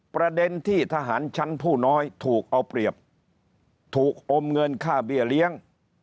ประเด็นที่ทหารชั้นผู้น้อยถูกเอาเปรียบถูกอมเงินค่าเบี้ยเลี้ยง